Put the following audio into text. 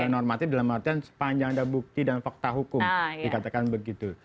normatif dalam artian sepanjang ada bukti dan fakta hukum dikatakan begitu